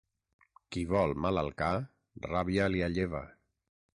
Qui vol mal al ca, ràbia li alleva.